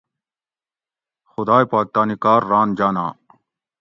خُدائ پاک تانی کار ران جاناں